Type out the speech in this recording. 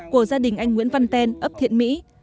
của gia đình anh nguyễn văn ten ấp thiện mỹ